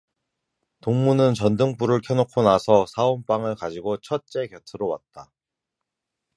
동무는 전등불을 켜놓고 나서 사온 빵을 가지고 첫째 곁으로 왔다.